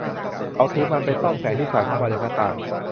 เขาถือมันไปต้องแสงที่สาดเข้ามาจากหน้าต่าง